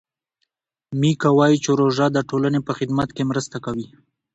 میکا وايي چې روژه د ټولنې په خدمت کې مرسته کوي.